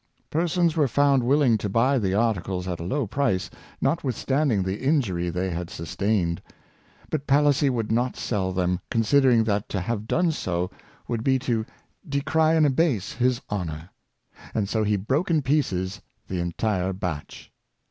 Persons were found willing to buy the articles at a low price, notwithstanding the in jury they had sustained; but Palissy would not sell them, considering that to have done so would be to *' decry and abase his honor;" and so he broke in pieces the entire batch.